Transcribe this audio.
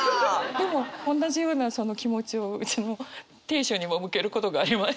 でもおんなじようなその気持ちをうちも亭主にも向けることがありまして。